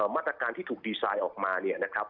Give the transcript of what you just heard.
มาตรการที่ถูกดีไซน์ออกมา